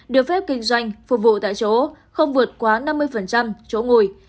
được phép kinh doanh phục vụ tại chỗ không vượt quá năm mươi chỗ ngồi